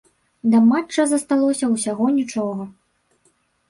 Да матча засталося ўсяго нічога!